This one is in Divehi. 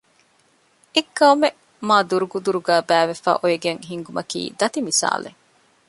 އެއް ޤައުމެއް މާދުރުދުރުގައި ބައިވެފައި އޮވެގެން ހިންގުމަކީ ދަތި މިސާލެއް